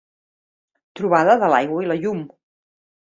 Trobada de l’aigua i la llum.